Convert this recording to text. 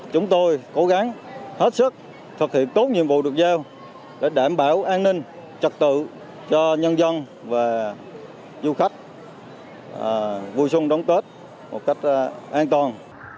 chúng tôi cố gắng hết sức thực hiện tốt nhiệm vụ được giao để đảm bảo an ninh trật tự cho nhân dân và du khách vui xuân đón tết một cách an toàn